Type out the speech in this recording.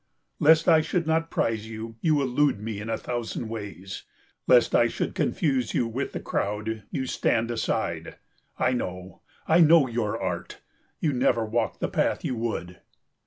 Lest I should not prize you, you elude me in a thousand ways. Lest I should confuse you with the crowd, you stand aside. I know, I know your art, You never walk the path you would.